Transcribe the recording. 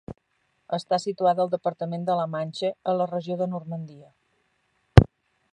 Està situada al departament de la Manche, a la regió de Normandia.